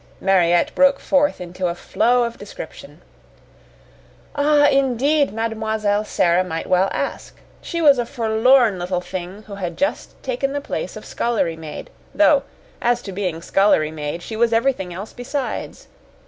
Mariette broke forth into a flow of description. Ah, indeed, Mademoiselle Sara might well ask. She was a forlorn little thing who had just taken the place of scullery maid though, as to being scullery maid, she was everything else besides.